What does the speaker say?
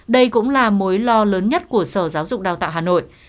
đây cũng là mối lo lớn nhất của sở giáo dục đào tạo hà nội